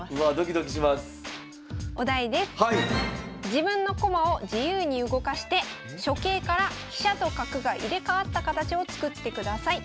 自分の駒を自由に動かして初形から飛車と角が入れ代わった形を作ってください。